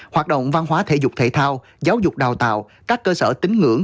hoạt động văn hóa thể dục thể thao giáo dục đào tạo các cơ sở tính ngưỡng